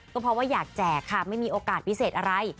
ก็เพราะว่าอยากแจกค่ะไม่มีโอกาสพิเศษอะไร